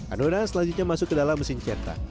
adonan selanjutnya masuk ke dalam mesin cetak